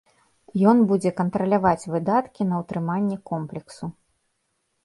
Ён будзе кантраляваць выдаткі на ўтрыманне комплексу.